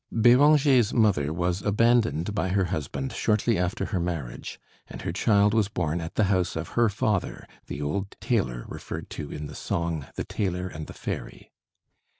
Béranger's mother was abandoned by her husband shortly after her marriage, and her child was born at the house of her father, the old tailor referred to in the song 'The Tailor and the Fairy.'